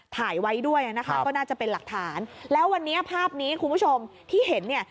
ถ่ายไว้ด้วยนะคะก็น่าจะเป็นหลักฐานแล้ววันนี้ภาพนี้คุณผู้ชมที่เห็นเนี่ย